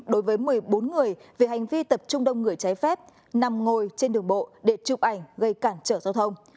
đối với một mươi bốn người về hành vi tập trung đông người trái phép nằm ngồi trên đường bộ để chụp ảnh gây cản trở giao thông